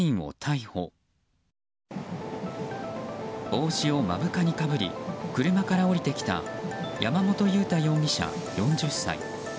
帽子を目深にかぶり車から降りてきた山本裕太容疑者、４０歳。